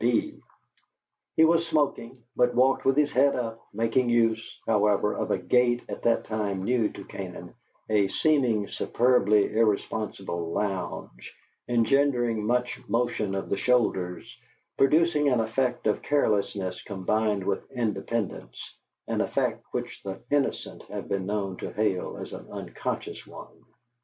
B." He was smoking, but walked with his head up, making use, however, of a gait at that time new to Canaan, a seeming superbly irresponsible lounge, engendering much motion of the shoulders, producing an effect of carelessness combined with independence an effect which the innocent have been known to hail as an unconscious one.